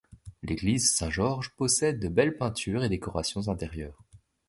L'église Saint Georges possède de belles peintures et décorations intérieures.